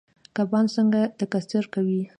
کبان څنګه تکثیر کوي؟